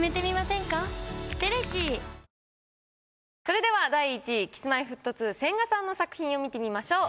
それでは第１位Ｋｉｓ−Ｍｙ−Ｆｔ２千賀さんの作品を見てみましょう。